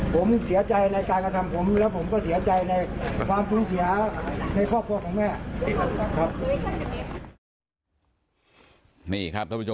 ผมเสียใจในการกระทำผมแล้วผมก็เสียใจในความสูญเสียในครอบครัวของแม่ครับ